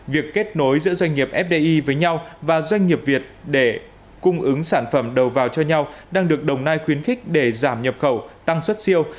việc kết nối giữa doanh nghiệp fdi với nhau và doanh nghiệp việt để cung ứng sản phẩm đầu vào cho nhau đang được đồng nai khuyến khích để giảm nhập khẩu tăng xuất siêu